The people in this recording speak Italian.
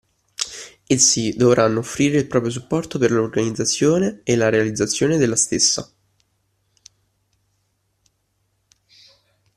Essi dovranno offrire il proprio supporto per l’organizzazione e la realizzazione delle stesse.